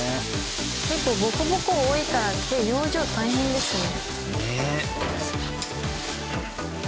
結構ボコボコ多いから養生大変ですよね。